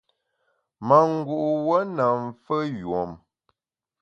Mangu’ wuon na mfeyùom.